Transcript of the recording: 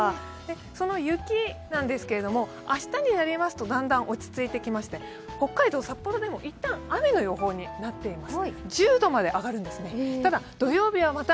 その雪なんですけれども、明日になりますとだんだん落ち着いてきまして北海道札幌でも一旦雨の予報になっています。